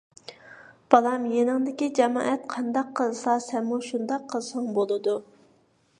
بالام، يېنىڭدىكى جامائەت قانداق قىلسا سەنمۇ شۇنداق قىلساڭ بولىدۇ.